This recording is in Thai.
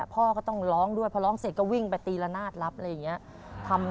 พ่อก็ต้องร้องด้วยพอร้องเสร็จก็วิ่งไปตีละนาดรับอะไรอย่างนี้